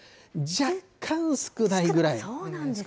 若干、少ないぐらい。